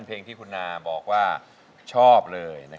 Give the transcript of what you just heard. ส่งคืน